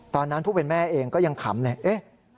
ตอนนั้นผู้เป็นแม่เองก็ยังถามเลย